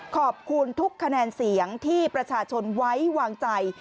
ขอบคุณทุกคะแนนเสียงที่ประชาชนไว้วางใจ